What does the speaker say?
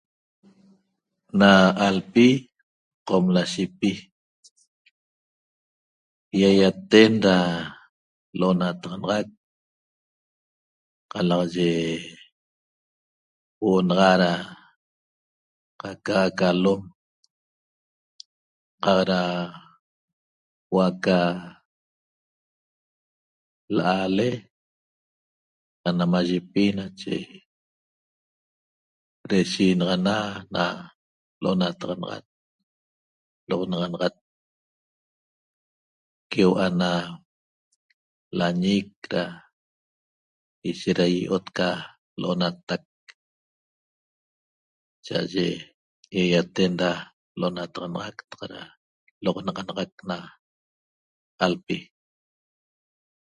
Na alpi qomlashepi iaiaten da lo'onataxanaxac qalaxaye huo'o naxa ra qaca ca lom qaq ra huo'o aca la'ale anamayepi nache reshenaxana na lo'onataxanaxac lo'oxonanaxat queua' na lañic ra ishet ra io'ot ca lo'onatac cha'aye iaiaten ra lo'onataxanaxac qataq na lo'oxonaxanaxat na alpi